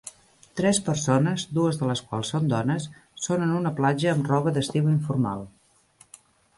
Tres persones, dues de les quals són dones, són en una platja amb roba d'estiu informal.